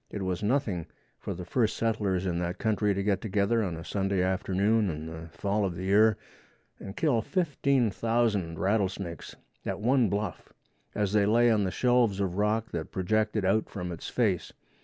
It was nothing for the first settlers in that country to get together of a Sunday afternoon in the fall of the year and kill 15,000 rattle snakes at one bluff as they lay on the shelves of rock that projected out from its face.